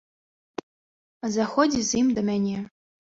Заходзь з ім да мяне.